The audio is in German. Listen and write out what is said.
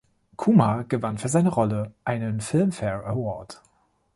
Kumar gewann für seine Rolle einen Filmfare Award.